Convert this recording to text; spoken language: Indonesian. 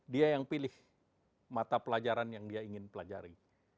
dia yang pilih mata pelajaran yang dia ingin pelajari